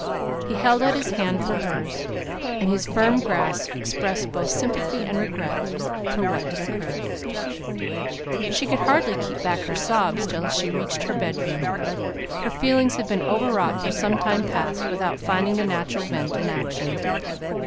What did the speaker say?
He held out his hand for hers, and his firm grasp expressed both sympathy and regret for what had occurred. She could hardly keep back her sobs till she reached her bedroom. Her feelings had been overwrought for some time past, without finding the natural vent in action.